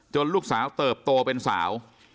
ลูกสาวเติบโตเป็นสาว